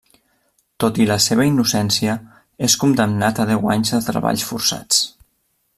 Tot i la seva innocència, és condemnat a deu anys de treballs forçats.